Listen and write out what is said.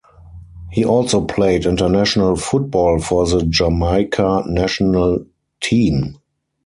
He also played international football for the Jamaica national team.